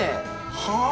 はあ！